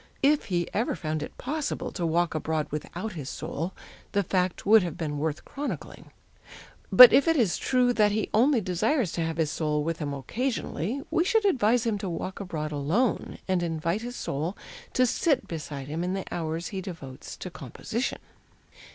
If he ever found it possible to walk abroad without his soul, the fact would have been worth chronicling; but if it is true that he only desires to have his soul with him occasionally, we should advise him to walk abroad alone, and invite his soul to sit beside him in the hours he devotes to composition."